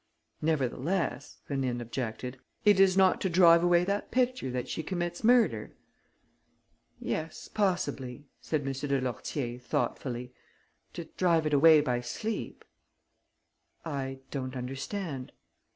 "Nevertheless," Rénine objected, "it is not to drive away that picture that she commits murder?" "Yes, possibly," said M. de Lourtier, thoughtfully, "to drive it away by sleep." "I don't understand."